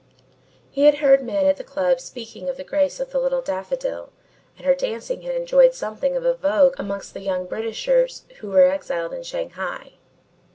He had heard men at the club speaking of the grace of the Little Daffodil and her dancing had enjoyed something of a vogue amongst the young Britishers who were exiled in Shanghai.